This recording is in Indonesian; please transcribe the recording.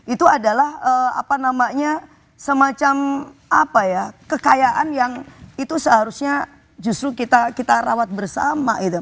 itu adalah apa namanya semacam kekayaan yang itu seharusnya justru kita rawat bersama gitu